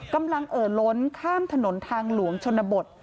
เอ่อล้นข้ามถนนทางหลวงชนบท